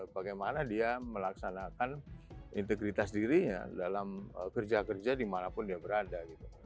bagaimana dia melaksanakan integritas dirinya dalam kerja kerja dimanapun dia berada